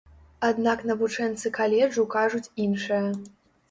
Аднак навучэнцы каледжу кажуць іншае.